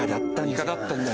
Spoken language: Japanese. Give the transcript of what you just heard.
イカだったんだ。